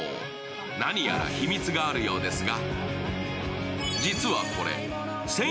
何やら秘密があるようですが。